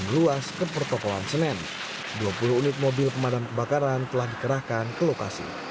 meluas ke pertokohan senen dua puluh unit mobil pemadam kebakaran telah dikerahkan ke lokasi